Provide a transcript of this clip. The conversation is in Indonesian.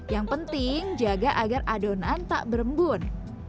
yang penting jaga agar adonan tak berembun